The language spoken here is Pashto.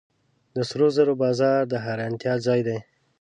د سرو زرو بازار د حیرانتیا ځای دی.